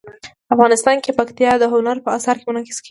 افغانستان کې پکتیا د هنر په اثار کې منعکس کېږي.